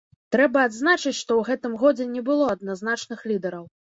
Трэба адзначыць, што ў гэтым годзе не было адназначных лідараў.